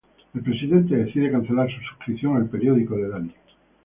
El Presidente decide cancelar su suscripción al periódico de Danny.